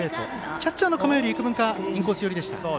キャッチャーの構えより幾分かインコース寄りでした。